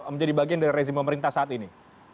menjadi bagian dari rezim pemerintah saat ini